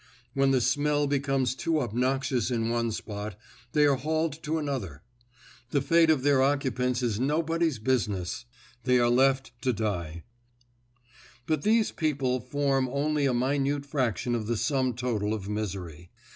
When the smell becomes too obnoxious in one spot, they are hauled to another. The fate of their occupants is nobody's business; they are left to die. But these people form only a minute fraction of the sum total of misery.